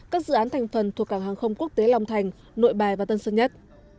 các dự án thành phần thuộc cảng hàng không quốc tế long thành nội bài và tân sơn nhất